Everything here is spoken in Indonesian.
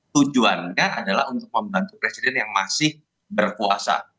tujuannya adalah untuk membantu presiden yang masih berpuasa